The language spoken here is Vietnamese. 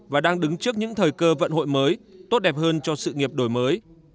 và đang đứng trước những thời cơ vận hội mới tốt đẹp hơn cho sự nghiệp đổi mới